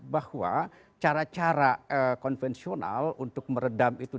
bahwa cara cara konvensional untuk meredam itu